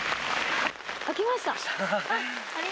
開きました。